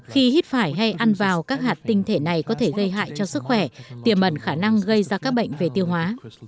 khi hít phải hay ăn vào các hạt tinh thể này có thể gây hại cho sức khỏe tiềm mẩn khả năng gây ra các bệnh về tiêu hóa